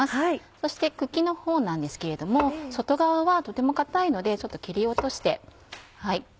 そして茎のほうなんですけれども外側はとても硬いのでちょっと切り落として。